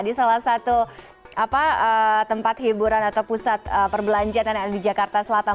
di salah satu tempat hiburan atau pusat perbelanjaan yang ada di jakarta selatan